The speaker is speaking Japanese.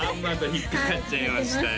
引っかかっちゃいましたよ